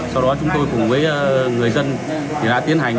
sau đó chúng tôi cùng với người dân thì đã tiến hành